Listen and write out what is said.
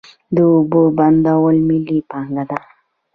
د اوبو بندونه ملي پانګه ده.